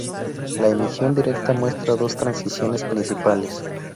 La emisión directa muestra dos transiciones principales.